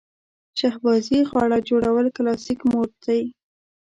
شهبازي غاړه جوړول کلاسیک موډ دی.